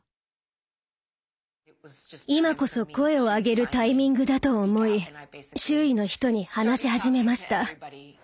今こそ声を上げるタイミングだと思い周囲の人に話し始めました。＃